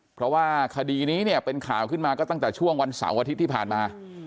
เพราะว่าคดีนี้เนี่ยเป็นข่าวขึ้นมาก็ตั้งแต่ช่วงวันเสาร์อาทิตย์ที่ผ่านมา